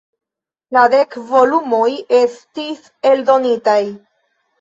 La dek volumoj estis eldonitaj.